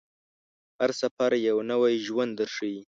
هر سفر یو نوی ژوند درښيي.